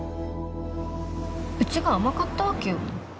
うちが甘かったわけよ。